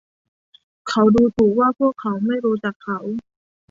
เขาดูถูกว่าพวกเขาไม่รู้จักเขา